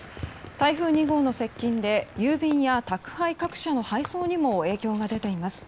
台風２号の接近で郵便や宅配各社の配送にも影響が出ています。